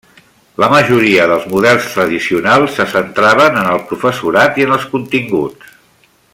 La majoria dels models tradicionals se centraven en el professorat i en els continguts.